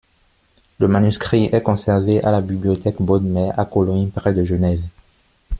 Le manuscrit est conservé à la Bibliothèque Bodmer à Cologny près de Genève.